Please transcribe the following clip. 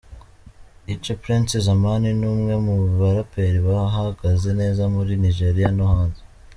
Ice Prince Zamani ni umwe mu baraperi bahagaze neza muri Nigeria no hanze.